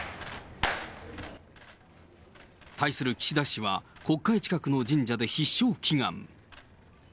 対する岸田氏は、国会近くの神社で必勝祈願。